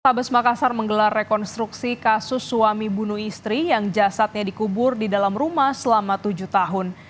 tabes makassar menggelar rekonstruksi kasus suami bunuh istri yang jasadnya dikubur di dalam rumah selama tujuh tahun